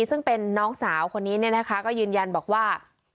ซึ่งเป็นน้องสาวคนนี้เนี่ยนะคะก็ยืนยันบอกว่า